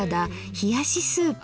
「冷しスープ」。